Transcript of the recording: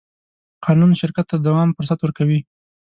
قانون شرکت ته د دوام فرصت ورکوي.